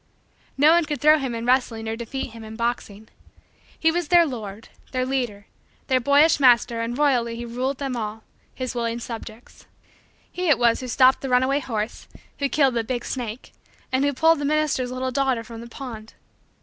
No one could throw him in wrestling or defeat him in boxing. He was their lord, their leader, their boyish master and royally he ruled them all his willing subjects. He it was who stopped the runaway horse; who killed the big snake; and who pulled the minister's little daughter from the pond.